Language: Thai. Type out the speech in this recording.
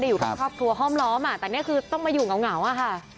อยู่กับครอบครัวห้อมล้อมแต่นี่คือต้องมาอยู่เหงาอะค่ะ